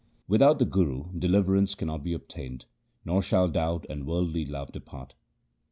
Without the Guru deliverance cannot be obtained, nor shall doubt and worldly love depart.